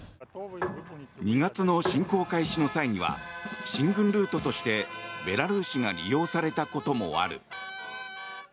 ２月の侵攻開始の際には進軍ルートとしてベラルーシが利用されたこともある。